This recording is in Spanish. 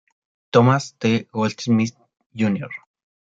Thomas T. Goldsmith, Jr.